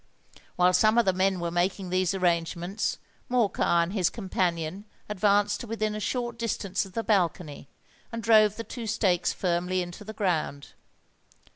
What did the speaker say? While some of the men were making these arrangements, Morcar and his companion advanced to within a short distance of the balcony, and drove the two stakes firmly into the ground.